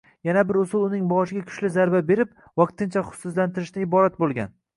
Yana bir usul uning boshiga kuchli zarba berib, vaqtincha hushsizlantirishdan iborat bo‘lgan